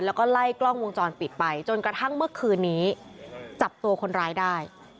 แล้วก็ไล่กล้องวงจรปิดไปจนกระทั่งเมื่อคืนนี้จับตัวคนร้ายได้